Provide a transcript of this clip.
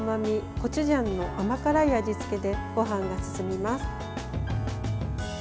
コチュジャンの甘辛い味付けでごはんが進みます。